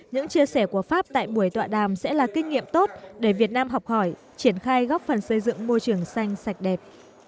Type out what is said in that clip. những chia sẻ của pháp tại buổi tọa đàm sẽ là kinh nghiệm tốt để việt nam học hỏi triển khai góp phần xây dựng môi trường xanh sạch đẹp